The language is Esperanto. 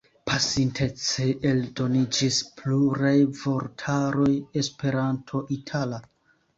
Pasintece eldoniĝis pluraj vortaroj Esperanto-itala.